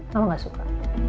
kamu gak suka